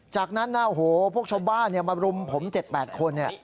จากนั้นพวกชบ้านมารุมผม๗๘คน